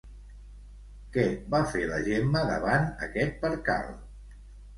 Què va fer la Gemma davant aquest percal?